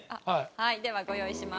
ではご用意します。